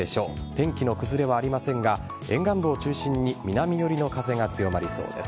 天気の崩れはありませんが沿岸部を中心に南寄りの風が強まりそうです。